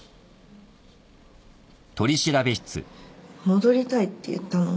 戻りたいって言ったの？